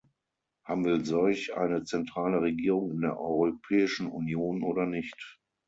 Haben wir solch eine zentrale Regierung in der Europäischen Union oder nicht?